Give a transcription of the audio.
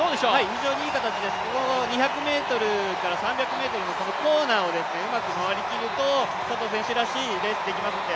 非常にいい形で、２００ｍから３００ｍのコーナーをうまく回りきると、佐藤選手らしいレースができますので。